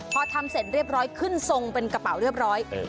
พอทำเสร็จเรียบร้อยขึ้นทรงเป็นกระเป๋าเรียบร้อย